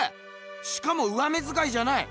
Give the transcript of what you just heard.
しかも上目づかいじゃない！